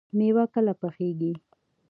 مېوه کله پخیږي؟